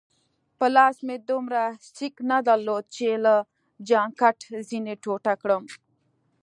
په لاس مې دومره سېک نه درلود چي له جانکټ ځینې ټوټه کړم.